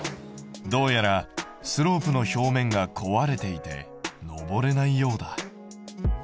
どうやらスロープの表面が壊れていて上れないようだ。